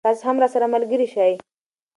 تاسې هم راسره ملګری شئ.